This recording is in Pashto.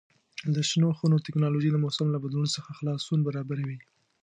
د شنو خونو تکنالوژي د موسم له بدلون څخه خلاصون برابروي.